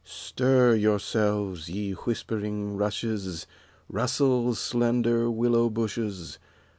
TIR yourselves, ye whispering rushes, Rusde, slender willow bushes.